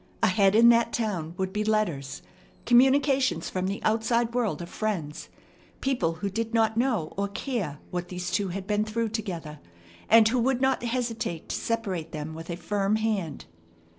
Ahead in that town would be letters, communications from the outside world of friends, people who did not know or care what these two had been through together, and who would not hesitate to separate them with a firm hand.